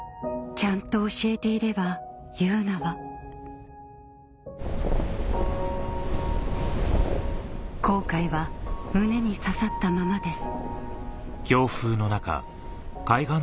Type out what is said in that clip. ちゃんと教えていれば汐凪は後悔は胸に刺さったままです